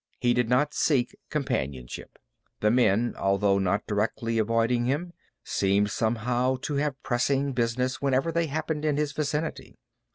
He did not seek companionship. The men, although not directly avoiding him, seemed somehow to have pressing business whenever they happened in his vicinity.